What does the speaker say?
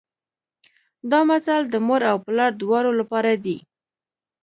دا متل د مور او پلار دواړو لپاره دی